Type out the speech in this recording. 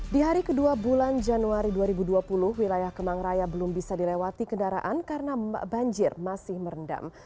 di hari kedua bulan januari dua ribu dua puluh wilayah kemang raya belum bisa dilewati kendaraan karena banjir masih merendam